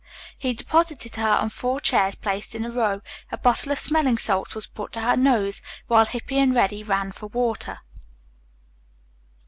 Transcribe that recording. He deposited her on four chairs placed in a row, a bottle of smelling salts was put to her nose, while Hippy and Reddy ran for water.